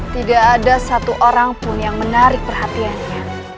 tidak ada satu orang pun yang menarik perhatiannya